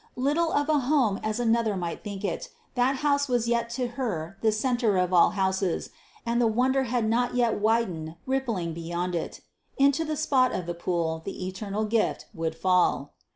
Little of a home as another might think it, that house was yet to her the centre of all houses, and the wonder had not yet widened rippling beyond it: into that spot of the pool the eternal gift would fall.